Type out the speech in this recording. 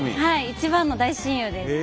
一番の大親友です。